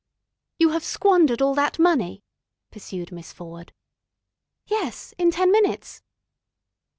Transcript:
"You have squandered all that money?" pursued Miss Ford. "Yes. In ten minutes."